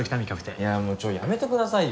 いやもうやめてくださいよ。